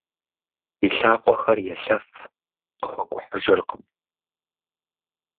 И лъакъуэхэр елъэф, къыхуэкӏухьыжыркъым.